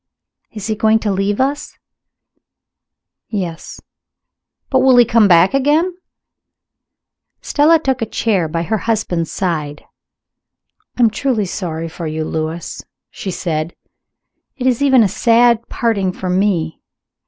"Is he going to leave us?" "Yes." "But he will come back again?" Stella took a chair by her husband's side. "I am truly sorry for you, Lewis," she said. "It is even a sad parting for Me.